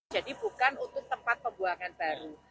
jadi bukan untuk tempat pembuangan baru